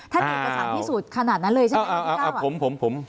ถ้าได้เอกสารพิสูจน์ขนาดนั้นเลยใช่ไหมอันที่๙